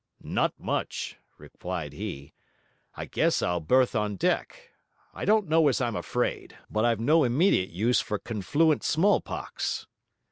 'Not much!' replied he. 'I guess I'll berth on deck. I don't know as I'm afraid, but I've no immediate use for confluent smallpox.'